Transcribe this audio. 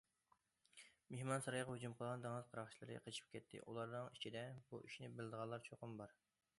مېھمانسارايغا ھۇجۇم قىلغان دېڭىز قاراقچىلىرى قېچىپ كەتتى، ئۇلارنىڭ ئىچىدە بۇ ئىشنى بىلىدىغانلار چوقۇم بار.